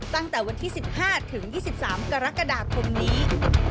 ตั้งแต่วันที่๑๕ถึง๒๓กรกฎาคมนี้